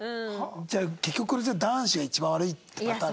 じゃあ結局これさ男子が一番悪いってパターン？